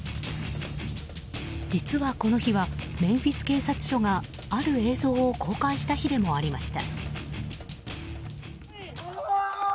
実はこの日はメンフィス警察署がある映像を公開した日でもありました。